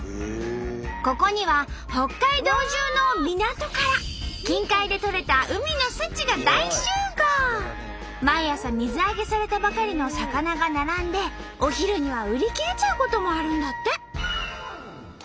ここには北海道じゅうの港から近海でとれた毎朝水揚げされたばかりの魚が並んでお昼には売り切れちゃうこともあるんだって！